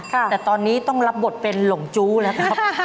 แต่ตอนนี้ต้องรับบทเป็นหลงจู้แล้วครับ